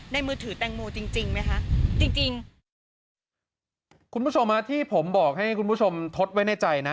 มือถือแตงโมจริงจริงไหมคะจริงจริงคุณผู้ชมฮะที่ผมบอกให้คุณผู้ชมทดไว้ในใจนะ